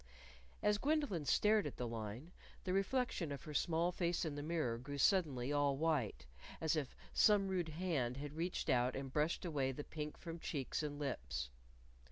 As Gwendolyn stared at the line, the reflection of her small face in the mirror grew suddenly all white, as if some rude hand had reached out and brushed away the pink from cheeks and lips.